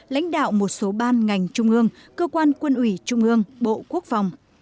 lãnh đạo một số ban ngành trung ương cơ quan quân ủy trung ương bộ quốc phòng